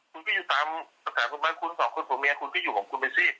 คุณไปอยู่ตามประสาทคุณบ้านคุณสองคนคุณแม่คุณไปอยู่ของคุณไปสิ